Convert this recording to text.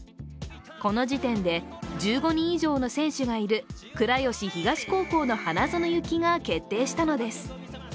この時点で１５人以上の選手がいる倉吉東高校の花園行きが決定したのです。